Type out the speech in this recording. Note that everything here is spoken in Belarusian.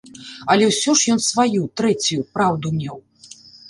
Але ўсё ж ён сваю, трэцюю, праўду меў.